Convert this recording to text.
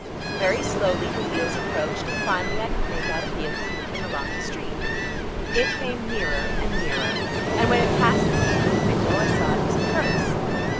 Very slowly the wheels approached, and, finally, I could make out a vehicle moving along the street. It came nearer and nearer, and when it passed beneath my window I saw it was a hearse.